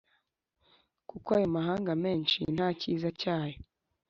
kuko ayo mahanga menshi ntacyiza cyayo